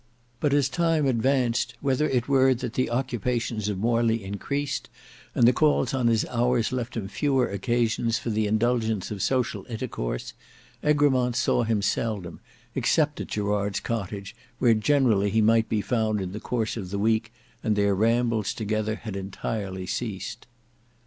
But as time advanced, whether it were that the occupations of Morley increased, and the calls on his hours left him fewer occasions for the indulgence of social intercourse, Egremont saw him seldom, except at Gerard's cottage, where generally he might be found in the course of the week, and their rambles together had entirely ceased.